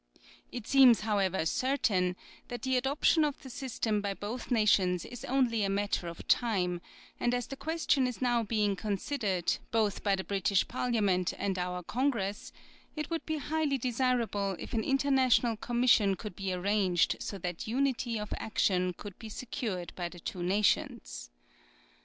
It seems, however, certain that the adoption of the system by both nations is only a matter of time, and as the question is now being considered, both by the British Parliament and our Congress, it would be highly desireable if an International Com mission could be arranged so that unity of action could be secured by the two nations.